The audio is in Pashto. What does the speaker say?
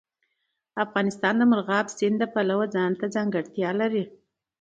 افغانستان د مورغاب سیند د پلوه ځانته ځانګړتیا لري.